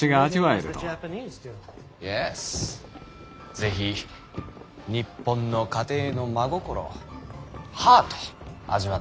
是非日本の家庭の真心をハートを味わっていただきたい。